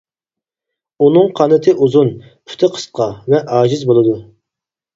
ئۇنىڭ قانىتى ئۇزۇن، پۇتى قىسقا ۋە ئاجىز بولىدۇ.